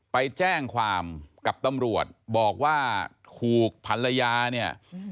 ไปแจ้งความกับตำรวจบอกว่าถูกภรรยาเนี่ย